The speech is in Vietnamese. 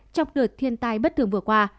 trong đợt thiên tai bất thường vừa qua